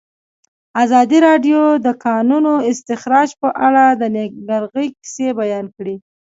ازادي راډیو د د کانونو استخراج په اړه د نېکمرغۍ کیسې بیان کړې.